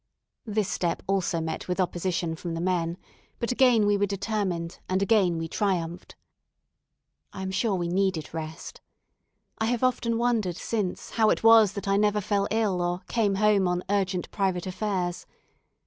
This step also met with opposition from the men; but again we were determined, and again we triumphed. I am sure we needed rest. I have often wondered since how it was that I never fell ill or came home "on urgent private affairs."